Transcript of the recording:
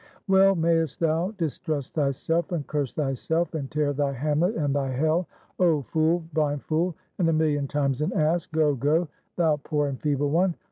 Well may'st thou distrust thyself, and curse thyself, and tear thy Hamlet and thy Hell! Oh! fool, blind fool, and a million times an ass! Go, go, thou poor and feeble one!